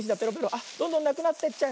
あっどんどんなくなってっちゃう。